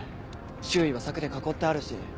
周囲は柵で囲ってあるし。